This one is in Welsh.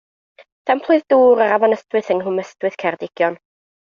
Samplwyd dŵr yr Afon Ystwyth yng Nghwm Ystwyth, Ceredigion.